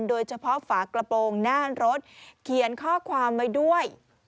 ฝากระโปรงหน้ารถเขียนข้อความไว้ด้วย